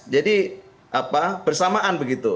jadi bersamaan begitu